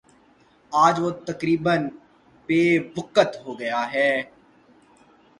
آج وہ تقریبا بے وقعت ہو گیا ہے